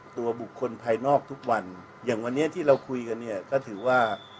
ตัวบุคคลภายนอกทุกวันอย่างวันนี้ที่เราคุยกันเนี่ยก็ถือว่า